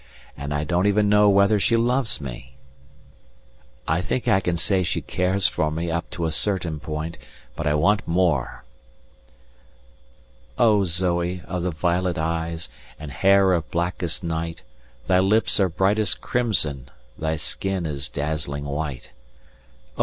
And I don't even know whether she loves me! I think I can say she cares for me up to a certain point, but I want more. "Oh Zoe! of the violet eyes, And hair of blackest night Thy lips are brightest crimson, Thy skin is dazzling white. "Oh!